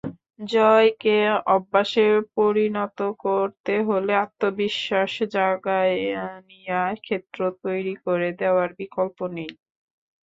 জয়কে অভ্যাসে পরিণত করতে হলে আত্মবিশ্বাসজাগানিয়া ক্ষেত্র তৈরি করে দেওয়ার বিকল্প নেই।